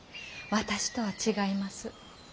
私とは違います。